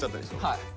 はい。